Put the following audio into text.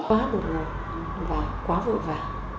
quá vượt và quá vượt và